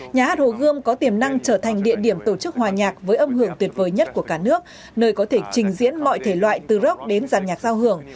nhà hát hồ gươm có tiềm năng trở thành địa điểm tổ chức hòa nhạc với âm hưởng tuyệt vời nhất của cả nước nơi có thể trình diễn mọi thể loại từ rock đến giàn nhạc giao hưởng